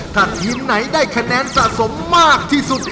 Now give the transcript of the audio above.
ถ้าทีมไหนได้คะแนนสะสมมากที่สุด